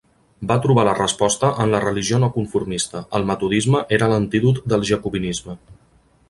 Va trobar la resposta en la religió no conformista: el metodisme era l'antídot del jacobinisme.